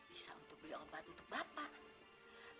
bisa untuk beli obat untuk bapak